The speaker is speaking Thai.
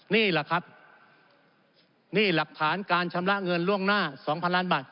นี่แหละครับนี่หลักฐานการชำระเงินล่วงหน้า๒๐๐ล้านบาท